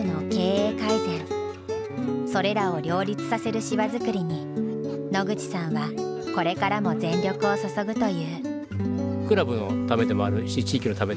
それらを両立させる芝作りに野口さんはこれからも全力を注ぐという。